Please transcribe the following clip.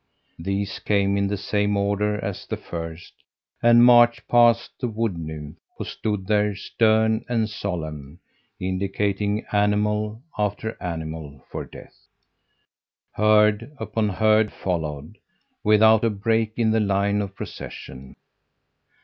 These came in the same order as the first and marched past the Wood nymph, who stood there, stern and solemn, indicating animal after animal for death. "Herd upon herd followed, without a break in the line of procession.